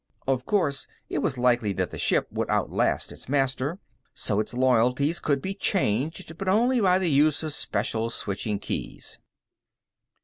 Of course, it was likely that the ship would outlast its master, so its loyalties could be changed, but only by the use of special switching keys.